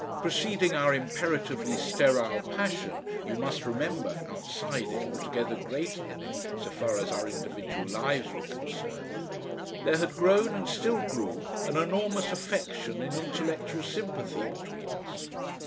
Preceding our imperatively sterile passion, you must remember, outside it, altogether greater than it so far as our individual lives were concerned, there had grown and still grew an enormous affection and intellectual sympathy between us.